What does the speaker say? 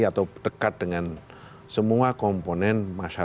atau dekat dengan semua komponen masyarakat